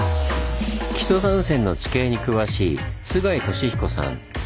木曽三川の地形に詳しい須貝俊彦さん。